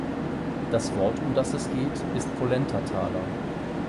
Das Wort, um das es geht, ist 'Polentataler'.